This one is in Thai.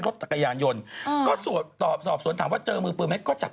แล้วก็สอบสวนผู้ต้องหาทั้ง๓ควร